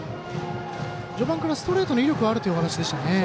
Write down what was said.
序盤からストレートの威力はあるというお話でしたね。